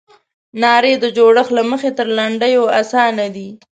نارې د جوړښت له مخې تر لنډیو اسانه دي.